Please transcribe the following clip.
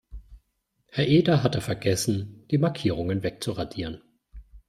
Herr Eder hatte vergessen, die Markierungen wegzuradieren.